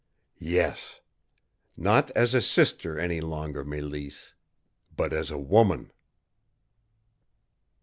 "Yes. Not as a sister any longer, Mélisse, but as a WOMAN!"